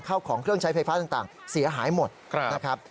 เข้าของเครื่องใช้ไฟฟ้าต่างเสียหายหมดนะครับ